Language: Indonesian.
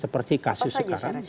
seperti kasus sekarang